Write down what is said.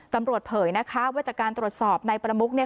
เผยนะคะว่าจากการตรวจสอบนายประมุกเนี่ย